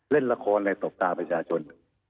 เล่นละครและตกตากประชาชน